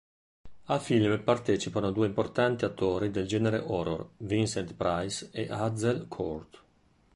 Al film partecipano due importanti attori del genere horror, Vincent Price e Hazel Court.